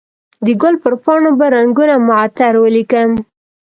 د ګل پر پاڼو به رنګونه معطر ولیکم